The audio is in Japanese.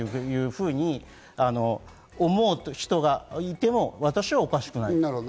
ふうに思う人がいても私はおかしくないと。